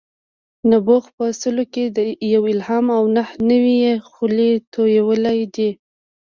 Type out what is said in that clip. نبوغ په سلو کې یو الهام او نهه نوي یې خولې تویول دي.